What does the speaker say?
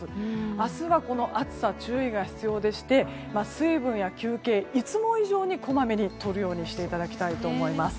明日はこの暑さに注意が必要でして水分や休憩を、いつも以上にこまめにとるようにしていただきたいと思います。